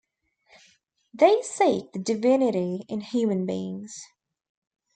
They seek the divinity in human beings.